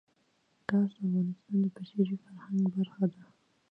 ګاز د افغانستان د بشري فرهنګ برخه ده.